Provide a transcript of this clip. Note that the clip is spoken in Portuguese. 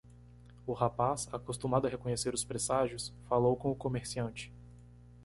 O rapaz? acostumado a reconhecer os presságios? falou com o comerciante.